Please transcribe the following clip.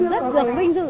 chúng tôi rất vinh dự